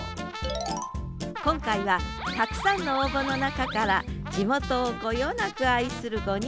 今回はたくさんの応募の中から地元をこよなく愛する５人を選出。